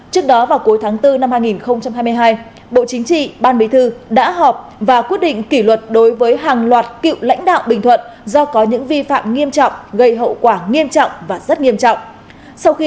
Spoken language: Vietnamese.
trước đó vào cuối tháng bốn năm hai nghìn hai mươi hai bộ chính trị ban bí thư đã họp và quyết định kỷ luật đối với hàng loạt cựu lãnh đạo bình thuận do có những vi phạm nghiêm trọng gây hậu quả nghiêm trọng và rất nghiêm trọng